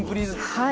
はい。